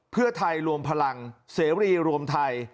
เพื่อไทยรวมพลังเสรีรวมไทย